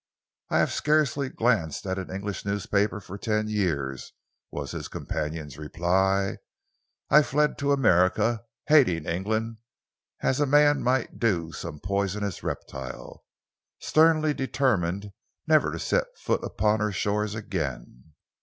"I have scarcely glanced at an English newspaper for ten years," was his companion's reply. "I fled to America, hating England as a man might do some poisonous reptile, sternly determined never to set foot upon her shores again.